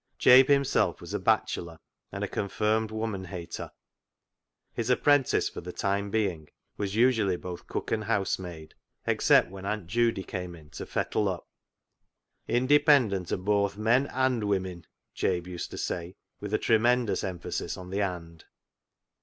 Jabe himself was a bachelor and a confirmed woman hater. His apprentice for the time being was usually both cook and housemaid, except when Aunt Judy came in to " fettle up." " Independent o' boath men and women," Jabe used to say, with a tremendous emphasis on the " and."